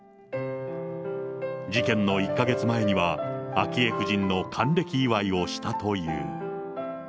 事件の１か月前には、昭恵夫人の還暦祝いをしたという。